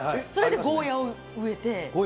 ゴーヤを植えて。